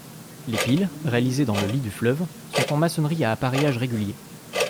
Les piles, réalisées dans le lit du fleuve, sont en maçonneries à appareillages réguliers.